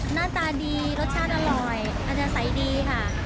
หน้าตาดีรสชาติอร่อยอาจจะใสดีค่ะ